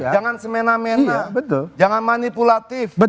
jangan semena mena jangan manipulatif